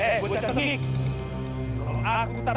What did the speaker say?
iya dia kemungkinan dekat